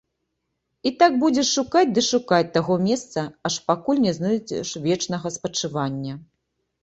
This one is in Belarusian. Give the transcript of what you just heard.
І так будзеш шукаць ды шукаць таго месца, аж пакуль не знойдзеш вечнага спачывання.